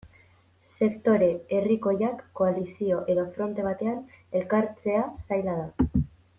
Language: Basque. Sektore herrikoiak koalizio edo fronte batean elkartzea zaila da.